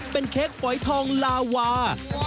เป็นเค้กฝอยทองลาวา